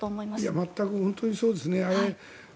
全く本当にそうですね。